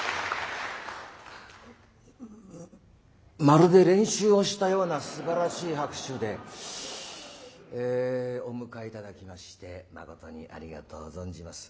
まるで練習をしたようなすばらしい拍手でお迎え頂きましてまことにありがとう存じます。